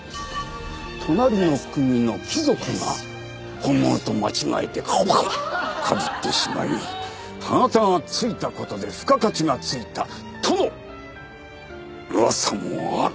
隣の国の貴族が本物と間違えてガブガブッかじってしまい歯形が付いた事で付加価値が付いたとの噂もある。